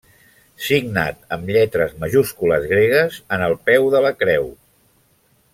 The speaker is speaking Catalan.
Signat amb lletres majúscules gregues en el peu de la Creu.